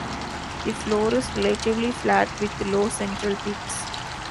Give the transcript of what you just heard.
The floor is relatively flat with low central peaks.